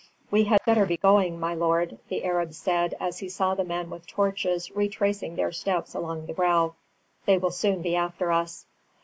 "We had better be going, my lord," the Arab said as he saw the men with torches retracing their steps along the brow. "They will soon be after us."